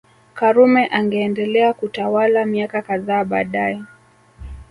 Karume angeendelea kutawala miaka kadhaa baadae